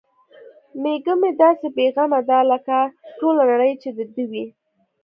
میږه مې داسې بې غمه ده لکه ټوله نړۍ چې د دې وي.